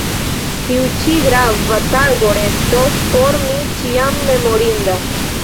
Tiu ĉi grava tago restos por mi ĉiam memorinda.